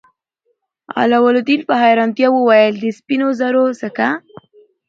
علاوالدین په حیرانتیا وویل د سپینو زرو سکه.